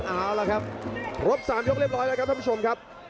เอาล่ะครับครบ๓ยกเรียบร้อยแล้วครับท่านผู้ชมครับ